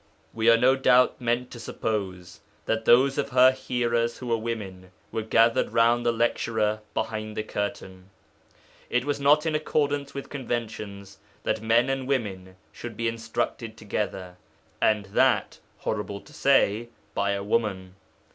We are no doubt meant to suppose that those of her hearers who were women were gathered round the lecturer behind the curtain. It was not in accordance with conventions that men and women should be instructed together, and that horrible to say by a woman.